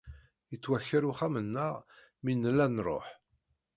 Yettwaker uxxam-nneɣ mi nella nruḥ.